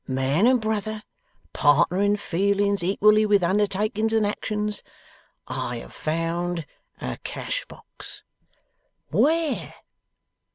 Man and brother, partner in feelings equally with undertakings and actions, I have found a cash box.' 'Where?